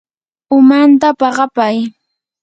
umanta paqapay.